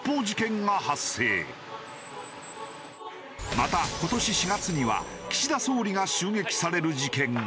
また今年４月には岸田総理が襲撃される事件が。